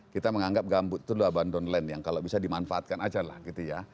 kita menganggap gambut itu luapan downline yang kalau bisa dimanfaatkan aja lah gitu ya